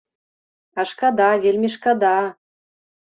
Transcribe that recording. А шкада, вельмі шкада!